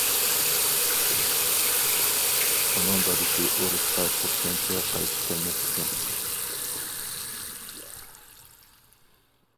ئۇنىڭ دادىسى ئۇرۇشقا كەتكەنچە قايتىپ كەلمەپتىكەن.